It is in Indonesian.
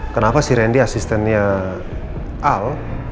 kenapa si randy asistennya al